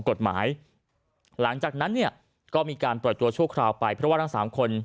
หลังจากนั้นเนี่ยก็มีการปล่อยตัวชั่วคราวไปเพราะว่าทั้งสามคน